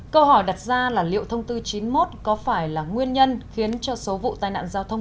câu hỏi đặt ra là liệu thông tư chín mươi một có phải là nguyên nhân khiến cho số vụ tai nạn giao thông